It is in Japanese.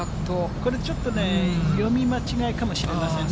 これちょっとね、読み間違えかもしれませんね。